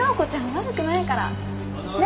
悪くないから。ね。